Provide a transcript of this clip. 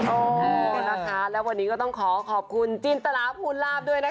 โอ้โหนะคะแล้ววันนี้ก็ต้องขอขอบคุณจินตราภูลาภด้วยนะคะ